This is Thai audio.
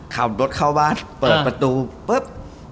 ขับรถเข้าบ้านเปิดประตูปุ๊บ